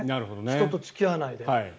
人と付き合わないで。